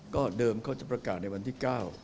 ก็เดิมเขาจะประกาศในวันที่๙